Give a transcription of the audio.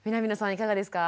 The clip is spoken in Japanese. いかがですか？